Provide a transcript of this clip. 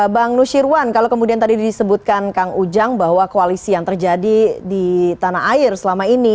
bang nusyirwan kalau kemudian tadi disebutkan kang ujang bahwa koalisi yang terjadi di tanah air selama ini